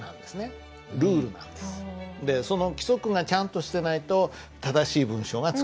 その規則がちゃんとしてないと正しい文章が作れない。